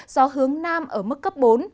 gió hướng nam ở mức cấp bốn